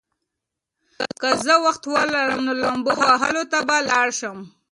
که زه وخت ولرم، نو لامبو وهلو ته به لاړ شم.